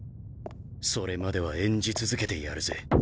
それまでは演じ続けてやるぜ